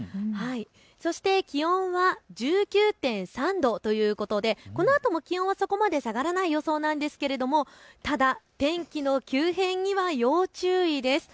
そして気温は１９．３度ということでこのあとも気温はそこまで下がらない予想なんですがただ天気の急変には要注意です。